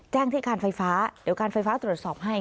แจ้งที่การไฟฟ้าเดี๋ยวการไฟฟ้าตรวจสอบให้